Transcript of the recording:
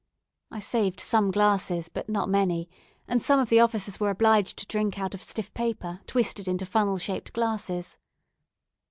I saved some glasses, but not many, and some of the officers were obliged to drink out of stiff paper twisted into funnel shaped glasses.